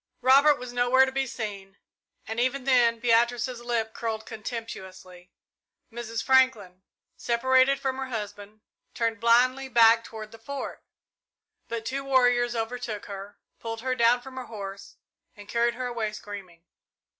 Robert was nowhere to be seen, and even then Beatrice's lip curled contemptuously. Mrs. Franklin, separated from her husband, turned blindly back toward the Fort, but two warriors overtook her, pulled her down from her horse, and carried her away screaming.